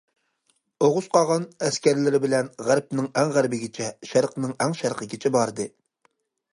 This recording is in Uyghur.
ئوغۇز قاغان ئەسكەرلىرى بىلەن غەربنىڭ ئەڭ غەربىگىچە، شەرقنىڭ ئەڭ شەرقىگىچە باردى.